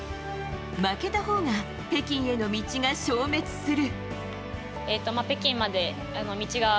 負けたほうが北京への道が消滅する。